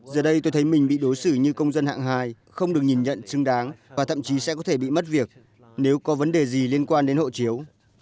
giờ đây tôi thấy mình bị đối xử như công dân hạng hai không được nhìn nhận chứng đáng và thậm chí sẽ có thể bị mất việc nếu có vấn đề gì liên quan đến hộ chiếu